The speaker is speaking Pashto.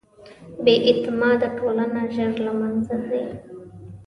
بېاعتماده ټولنه ژر له منځه ځي.